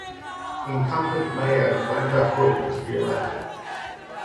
Incumbent mayor Glenda Hood was reelected.